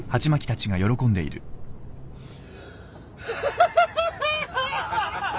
ハハハハ！